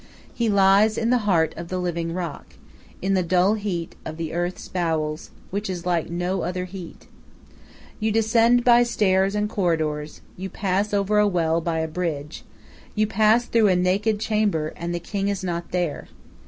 He lies in the heart of the living rock, in the dull heat of the earth's bowels, which is like no other heat. You descend by stairs and corridors, you pass over a well by a bridge, you pass through a naked chamber; and the king is not there.